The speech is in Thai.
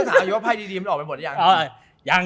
ผมจะถามอยู่ว่าไพ่ดีมันออกไปหมดหรือยัง